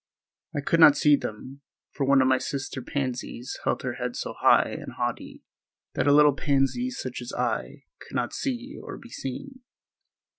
I could not see them, for one of my sister pansies held her head so high and haughty that a little pansy such as I could not see or be seen.